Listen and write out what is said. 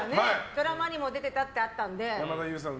ドラマにも出てたってあったので。